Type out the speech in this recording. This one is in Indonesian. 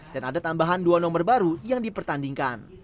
dan ada tambahan dua nomor baru yang dipertandingkan